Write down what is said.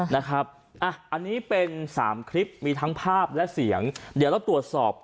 นะครับอ่ะอันนี้เป็นสามคลิปมีทั้งภาพและเสียงเดี๋ยวเราตรวจสอบ